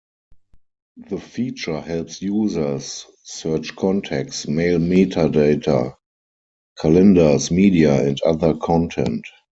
The feature helps users search contacts, mail metadata, calendars, media and other content.